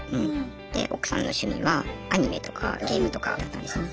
で奥さんの趣味はアニメとかゲームとかだったんですね。